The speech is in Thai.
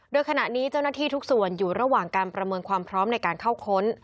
โดยขณะนี้เจ้าหน้าที่ทุกส่วนอยู่ระหว่างการประเมินความพร้อมในการเข้าค้น